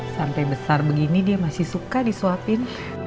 sampai besar begini dia masih suka disuapin